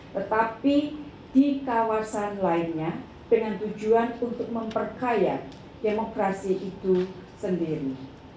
tetapi di kawasan lainnya dengan tujuan untuk memperkaya demokrasi itu sendiri